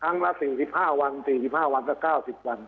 ครั้งละสิบห้าวันสี่ห้าวันสักเก้าสิบวัน